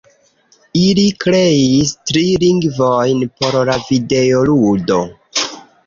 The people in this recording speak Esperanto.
Ili kreis tri lingvojn por la videoludo